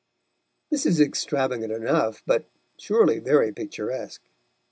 This is extravagant enough, but surely very picturesque.